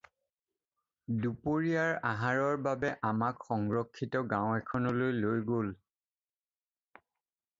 দুপৰীয়াৰ আহাৰৰ বাবে আমাক সংৰক্ষিত গাওঁ এখনলৈ লৈ গ'ল।